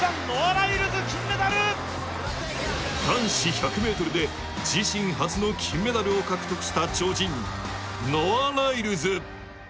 男子１００ｍで自身初の金メダルを獲得した超人ノア・ライルズ。